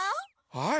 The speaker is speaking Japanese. はい。